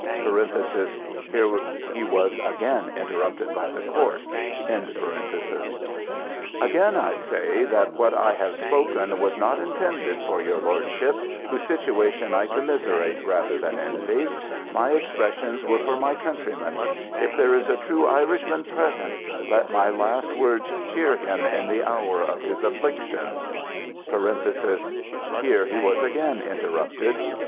[Here he was again interrupted by the court.] Again I say, that what I have spoken, was not intended for your lordship, whose situation I commiserate rather than envy ŌĆö my expressions were for my countrymen ; if there is a true Irish man present, let my last words cheer him in the hour of his af flictionŌĆö [Here he was again interrupted.